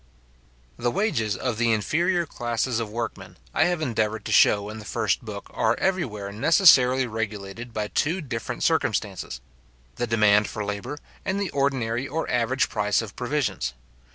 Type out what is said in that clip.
The wages of the inferior classes of work men, I have endeavoured to show in the first book are everywhere necessarily regulated by two different circumstances; the demand for labour, and the ordinary or average price of provisions.